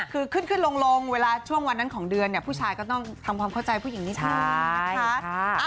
คือขึ้นขึ้นลงเวลาช่วงวันนั้นของเดือนเนี่ยผู้ชายก็ต้องทำความเข้าใจผู้หญิงนิดนึงนะคะ